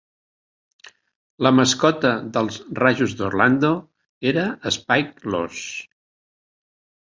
La mascota dels Rajos d'Orlando era "Spike" l'ós.